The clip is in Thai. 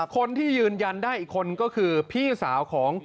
คนที่ยืนยันได้อีกคนก็คือพี่สาวของ